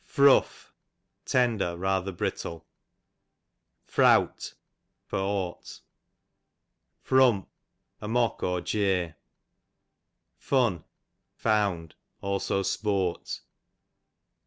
Frough, tender, rather brittle. Frowt, for ought. Frump, a mock or jeer. Fun, found ; also sport.